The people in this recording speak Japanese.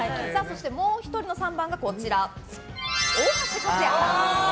もう１人の３番が大橋和也さん。